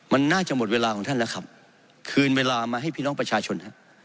มันน่าจะหมดเวลาของท่านแล้วครับคืนเวลามาให้พี่น้องประชาชนฮะ